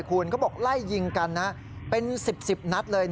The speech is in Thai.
คุณเขาบอกไล่ยิงกันนะเป็น๑๐๑๐นัดเลย